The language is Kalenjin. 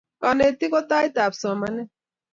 Kanetik ko tait ab somanet